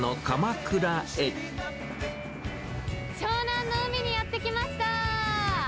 湘南の海にやって来ました。